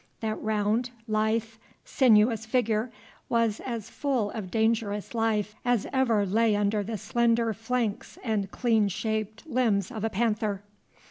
That round, lithe, sinuous figure was as full of dangerous life as ever lay under the slender flanks and clean shaped limbs of a panther.